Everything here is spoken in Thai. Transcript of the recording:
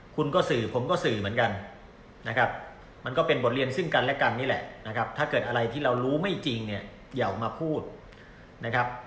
คุณก็สื่อผมก็สื่อเหมือนกันนะครับมันก็เป็นบทเรียนซึ่งกันและกันนี่แหละนะครับถ้าเกิดอะไรที่เรารู้ไม่จริงเนี่ยอย่าออกมาพูดนะครับ